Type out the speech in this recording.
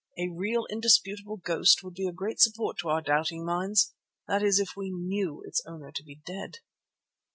A real, indisputable ghost would be a great support to our doubting minds, that is if we knew its owner to be dead.